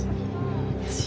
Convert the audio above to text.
よし。